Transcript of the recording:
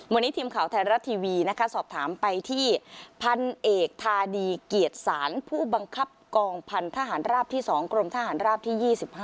วันนี้ทีมข่าวไทยรัฐทีวีนะคะสอบถามไปที่พันเอกธาดีเกียรติศาลผู้บังคับกองพันธหารราบที่๒กรมทหารราบที่๒๕